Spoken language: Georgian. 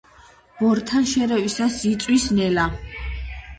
ბორთან შერევისას იწვის ნელა.